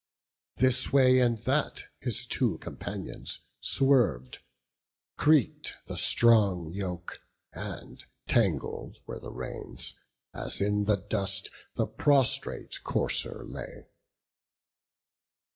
This way and that his two companions swerv'd; Creak'd the strong yoke, and tangled were the reins, As in the dust the prostrate courser lay.